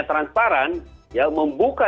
transparan ya membuka